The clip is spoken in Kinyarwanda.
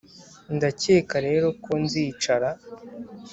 ndakeka rero ko nzicara